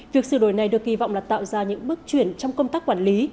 việc sửa đổi này được kỳ vọng là tạo ra những bước chuyển trong công tác quản lý